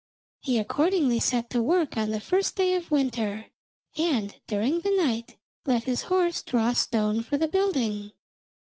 He accordingly set to work on the first day of winter, and during the night let his horse draw stone for the building.